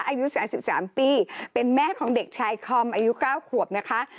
อายุ๓๓ปีเป็นแม่ของเด็กชายคอมอายุ๙ขวบนะคะ